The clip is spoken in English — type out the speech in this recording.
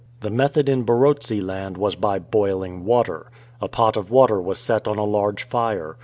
The method in Barotseland was by boiling water. A pot of water was set on a large fire.